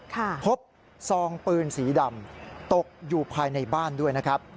ควัตเจอกอุปสรองปืนสีดำตกอยู่ภายในบ้านด้วย